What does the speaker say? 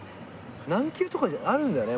何球とかってあるんだよね。